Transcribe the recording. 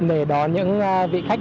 để đón những vị khách